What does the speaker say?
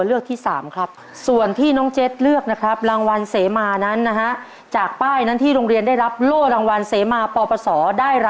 แล้วเราได้รุนกันต่อแล้วได้๑ล้านหรือไม่ได้